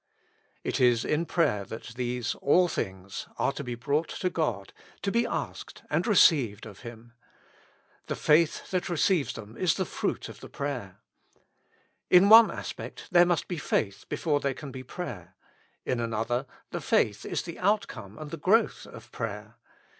'''' It is in prayer that these " all things " are to be brought to God, to be asked and received of Him. The faith that receives them is the fruit of the prayer. In one aspect there must be faith before there can be prayer ; in another the faith is the outcome and the growth of prayer.